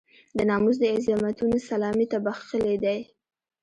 د ناموس د عظمتونو سلامي ته بخښلی دی.